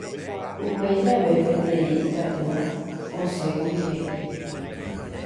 Upe jave peteĩ ita'ýra osẽkuri he'i